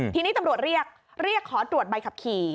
ทีนี้ตำรวจเรียกเรียกขอตรวจใบขับขี่